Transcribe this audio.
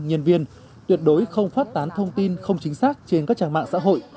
nhân viên tuyệt đối không phát tán thông tin không chính xác trên các trang mạng xã hội